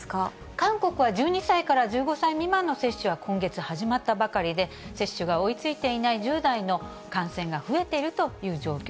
韓国は１２歳から１５歳未満の接種は今月始まったばかりで、接種が追いついていない１０代の感染が増えているという状況